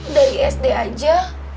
dari sd aja